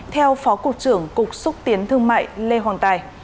theo phó cục trưởng cục xúc tiến thương mại lê hoàng tài